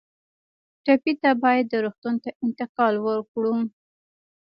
ټپي ته باید روغتون ته انتقال ورکړو.